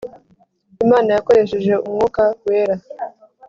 Imana yakoresheje umwuka wera